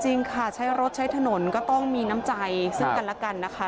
จริงค่ะใช้รถใช้ถนนก็ต้องมีน้ำใจซึ่งกันแล้วกันนะคะ